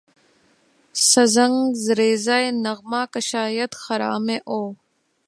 ز سنگ ریزہ نغمہ کشاید خرامِ او